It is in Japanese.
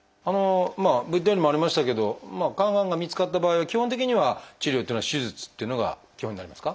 ＶＴＲにもありましたけど肝がんが見つかった場合は基本的には治療っていうのは手術っていうのが基本になりますか？